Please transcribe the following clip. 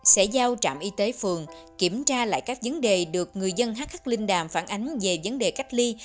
sẽ giao trạm y tế phường kiểm tra lại các vấn đề được người dân h khắc linh đàm phản ánh về vấn đề cách ly